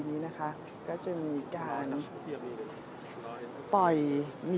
คือต้านเข้าที่ล้างทะเล